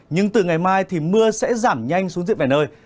nhưng từ ngày mai thì mưa sẽ giảm nhanh xuống diện vài nơi